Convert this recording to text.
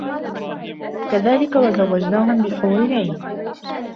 كَذَلِكَ وَزَوَّجْنَاهُمْ بِحُورٍ عِينٍ